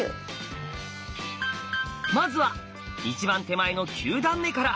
まずは一番手前の九段目から。